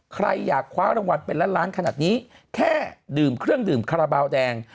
ใครอยากคว้ารางวัลเป็นล้านล้านขนาดนี้แค่ดื่มเครื่องดื่มคาราบาลแดง